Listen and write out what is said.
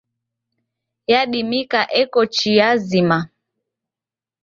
Yadimika eko chia zima.